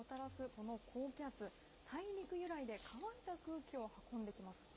この高気圧、大陸由来で乾いた空気を運んできます。